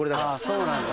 そうなんだ。